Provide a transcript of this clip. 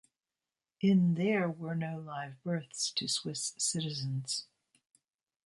In there were no live births to Swiss citizens.